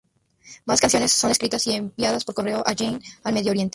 Más canciones son escritas y enviadas por correo a Janne al Medio Oriente.